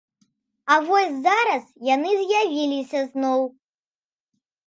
А вось зараз яны з'явіліся зноў.